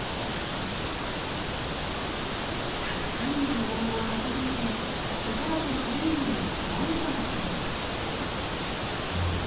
たくさんの羽毛を運び入れ子育ての準備に大忙しです。